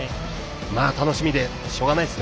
楽しみでしょうがないです。